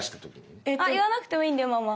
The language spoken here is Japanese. あ言わなくてもいいんだよママ。